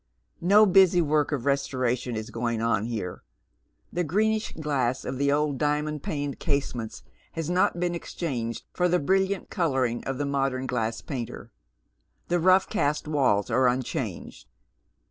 No busy work of restoration is going on here. The greenish glass of the old diamond paned casements has not been exchanged for the brilliant colouring of the modem glass painter. The rough cast walls are unchanged.